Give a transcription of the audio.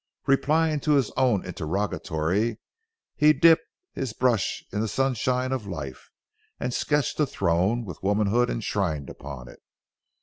Replying to his own interrogatory, he dipped his brush in the sunshine of life, and sketched a throne with womanhood enshrined upon it.